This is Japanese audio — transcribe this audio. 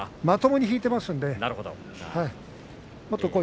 まともに引いていますのでもっと